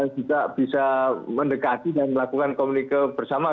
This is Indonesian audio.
juga bisa mendekati dan melakukan komunikasi bersama